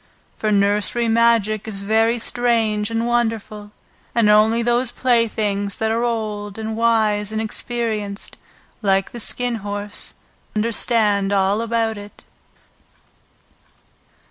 For nursery magic is very strange and wonderful, and only those playthings that are old and wise and experienced like the Skin Horse understand all about it.